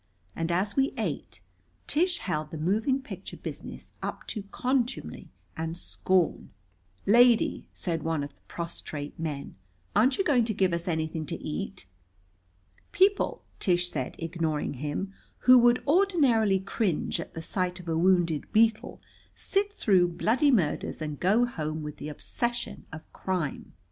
And as we ate, Tish held the moving picture business up to contumely and scorn. "Lady," said one of the prostrate men, "aren't you going to give us anything to eat?" "People," Tish said, ignoring him, "who would ordinarily cringe at the sight of a wounded beetle sit through bloody murders and go home with the obsession of crime."